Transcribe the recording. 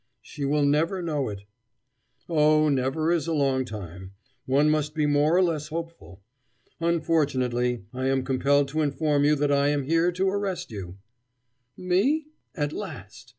"She will never know it." "Oh, never is a long time. One must be more or less hopeful. Unfortunately, I am compelled to inform you that I am here to arrest you " "Me? At last!